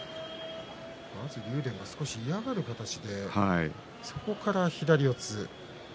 まず竜電は少し嫌がる形でそこから左四つ。